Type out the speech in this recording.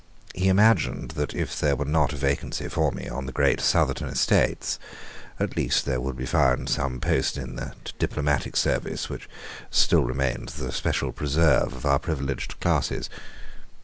He imagined that if there were not a vacancy for me on the great Southerton Estates, at least there would be found some post in that diplomatic service which still remains the special preserve of our privileged classes.